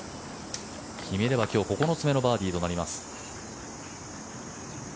決めれば今日９つ目のバーディーとなります。